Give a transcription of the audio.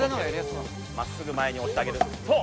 まっすぐ前に押してあげるそう！